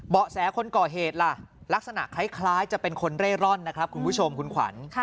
แสคนก่อเหตุล่ะลักษณะคล้ายจะเป็นคนเร่ร่อนนะครับคุณผู้ชมคุณขวัญ